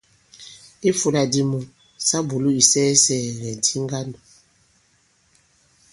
I ifūla di mu, sa bùlu isɛɛsɛ̀gɛ̀di ŋgandò.